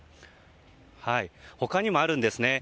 他にもあるんですね。